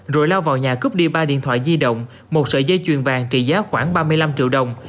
rồi lao vào nhà cướp đi ba điện thoại di động một sợi dây chuyền vàng trị giá khoảng ba mươi năm triệu đồng